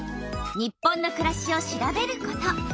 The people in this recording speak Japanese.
「日本のくらし」を調べること。